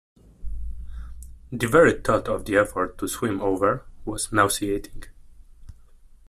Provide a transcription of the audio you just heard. The very thought of the effort to swim over was nauseating.